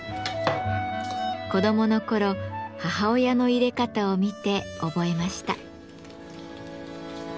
子どもの頃母親のいれ方を見て覚えました。